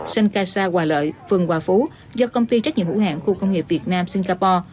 sân ca sa hòa lợi phường hòa phú do công ty trách nhiệm hữu hạng khu công nghiệp việt nam singapore